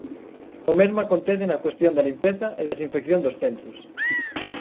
O mesmo acontece na cuestión da limpeza e desinfección dos centros.